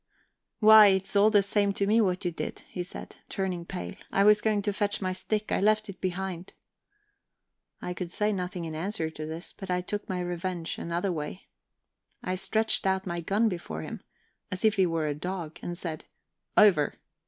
"Why, it is all the same to me what you did," he said, turning pale. "I was going to fetch my stick; I left it behind." I could say nothing in answer to this, but I took my revenge another way; I stretched out my gun before him, as if he were a dog, and said: "Over!"